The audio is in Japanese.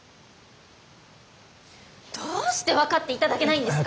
どうして分かって頂けないんですか？